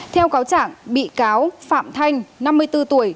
theo cáo chẳng bị cáo phạm thanh năm mươi bốn tuổi